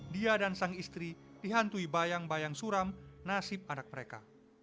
dia dan sang istri dihantui bayang bayang suram nasib anak mereka